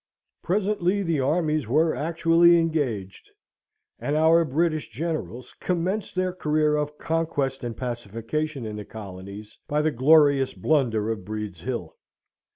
Presently the armies were actually engaged; and our British generals commenced their career of conquest and pacification in the colonies by the glorious blunder of Breed's Hill.